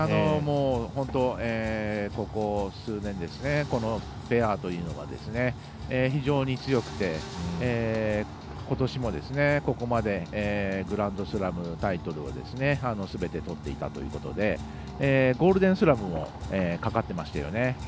ここ数年、このペアは非常に強くてことしもここまでグランドスラムのタイトルをすべてとっていたということでゴールデンスラムもかかっていましたよね。